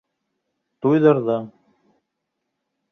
Туйҙырҙың!